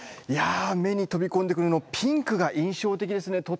いや目に飛びこんでくるのピンクが印象的ですね。